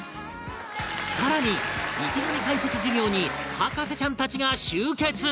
さらに池上解説授業に博士ちゃんたちが集結！